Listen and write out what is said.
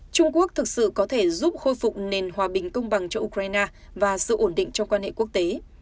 trung quốc thực sự có thể giúp khôi phục nền hòa bình công bằng cho ukraine và sự ổn định trong quan hệ quốc tế